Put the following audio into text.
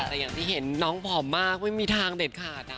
แต่อย่างที่เห็นน้องผอมมากไม่มีทางเด็ดขาดนะ